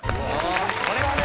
これはね。